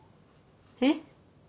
えっ。